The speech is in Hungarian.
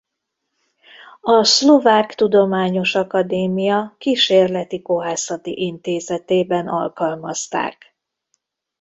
A Szlovák Tudományos Akadémia Kísérleti Kohászati Intézetében alkalmazták.